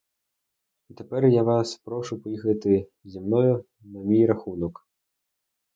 А тепер я вас прошу поїхати зі мною, на мій рахунок.